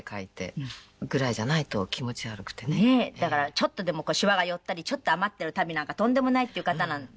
ちょっとでもしわが寄ったりちょっと余ってる足袋なんかとんでもないっていう方なので。